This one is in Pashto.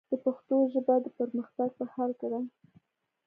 د پښتو ژبه، د پرمختګ په حال کې ده.